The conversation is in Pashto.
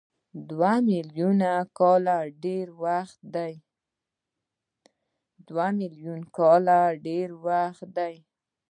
دوه میلیونه کاله ډېر زیات وخت دی.